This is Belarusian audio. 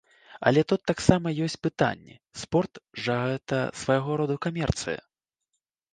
Але тут таксама ёсць пытанні, спорт жа гэта свайго роду камерцыя.